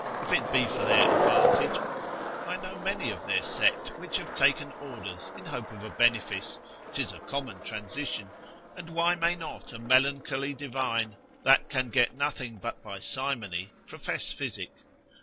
If it be for their advantage, I know many of their sect which have taken orders, in hope of a benefice, 'tis a common transition, and why may not a melancholy divine, that can get nothing but by simony, profess physic?